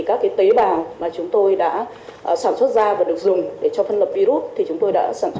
các tế bào mà chúng tôi đã sản xuất ra và được dùng để cho phân lập virus thì chúng tôi đã sản xuất